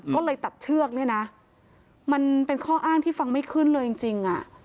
ก็เลยตัดเชือกเนี่ยนะมันเป็นข้ออ้างที่ฟังไม่ขึ้นเลยจริง